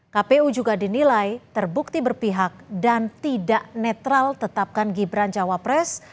kpu juga dinilai terbukti berpihak dan tidak netral tetapkan gibran cawapres